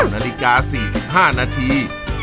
นาฬิกา๔๕นาที